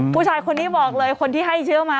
ผู้ชายคนนี้บอกเลยคนที่ให้เชื้อมา